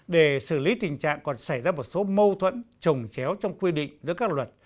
để xử lý tình trạng còn xảy ra một số mâu thuẫn trồng chéo trong quy định giữa các luật